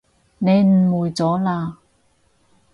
你誤會咗喇